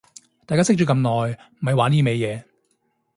大家識咗咁耐咪玩呢味嘢